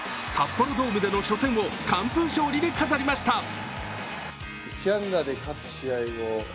札幌ドームでの初戦を完封勝利で飾りました。